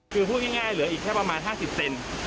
คือพูดง่ายเหลืออีกแค่ประมาณ๕๐เซน